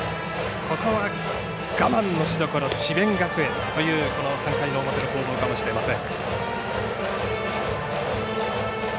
ここは我慢のしどころ智弁学園という３回表の攻防かもしれません。